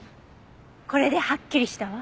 これではっきりしたわ。